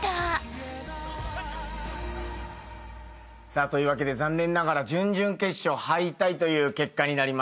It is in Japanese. ［最高の］というわけで残念ながら準々決勝敗退という結果になりました。